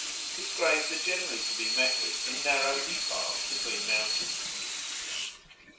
His graves are generally to be met with in narrow defiles between mountains.